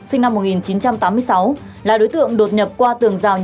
sinh năm một nghìn chín trăm tám mươi sáu